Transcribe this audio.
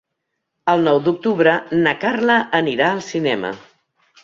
El nou d'octubre na Carla anirà al cinema.